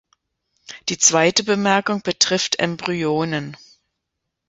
Die zweite Bemerkung betrifft Embryonen.